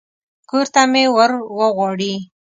کور ته مې ور وغواړي.